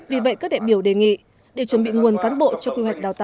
vì vậy các đại biểu đề nghị để chuẩn bị nguồn cán bộ cho quy hoạch đào tạo